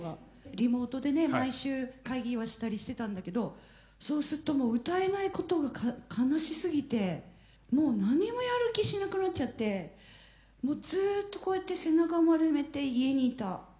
リモートでね毎週会議はしたりしてたんだけどそうすっともう歌えないことが悲しすぎてもう何もやる気しなくなっちゃってもうずっとこうやって背中丸めて家にいた。